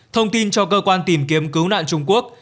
thông tin cho cơ quan tìm kiếm cứu nạn trung quốc